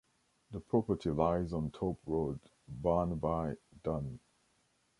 The property lies on Top Road, Barnby Dun.